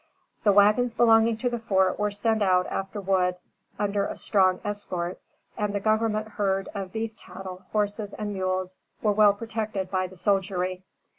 The wagons belonging to the fort were sent out after wood under a strong escort, and the government herd of beef cattle, horses and mules, were well protected by the soldiery.